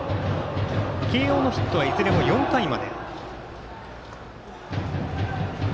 慶応のヒットはいずれも４回まで。